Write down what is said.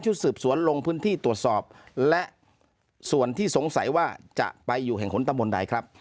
สืบสวนลงพื้นที่ตรวจสอบและส่วนที่สงสัยว่าจะไปอยู่แห่งขนตะมนต์ใดครับ